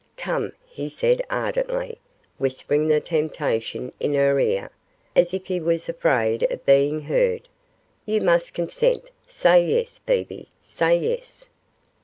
Come,' he said, ardently, whispering the temptation in her ear, as if he was afraid of being heard, 'you must consent; say yes, Bebe; say yes.